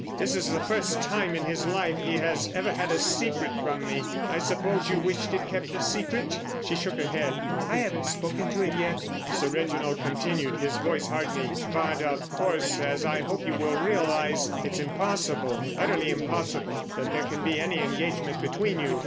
This is the first time in his life he has ever had a secret from me. I suppose you wished it kept a secret?" She shook her head. "I haven't spoken to him yet," Sir Reginald continued, his voice hardening. "But, of course, as I hope you will realise, it's impossible, utterly impossible, that there can be any engagement between you.